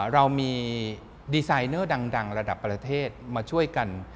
เรามีดีไซเนอร์ดังระดับประเทศมาช่วยกัน